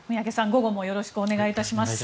午後もよろしくお願いします。